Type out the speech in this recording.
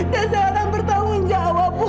saya akan bertanggung jawab